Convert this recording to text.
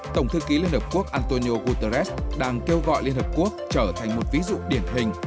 tổng thư ký liên hợp quốc antonio guterres đang kêu gọi liên hợp quốc trở thành một ví dụ điển hình